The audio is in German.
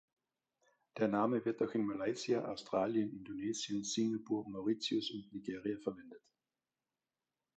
Der Name wird auch in Malaysia, Australien, Indonesien, Singapur, Mauritius und Nigeria verwendet.